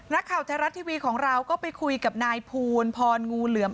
ข่าวไทยรัฐทีวีของเราก็ไปคุยกับนายภูลพรงูเหลือม